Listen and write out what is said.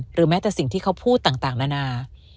แม้แต่สิ่งที่เขาพูดต่างนานา